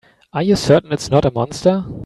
Are you certain it's not a monster?